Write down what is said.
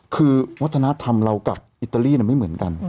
คือวัฒนธรรมเรากับอิตาลีไม่เหมือนกัน